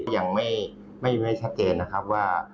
ยังไม่ชัดเจนนะครับว่า